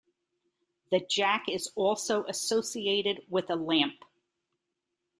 The jack is also associated with a lamp.